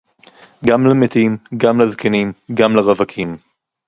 גם למתים, גם לזקנים, גם לרווקים